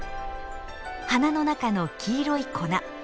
花の中の黄色い粉。